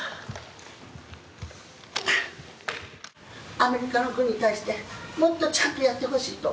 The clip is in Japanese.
アメリカの軍に対してもっとちゃんとやってほしいと。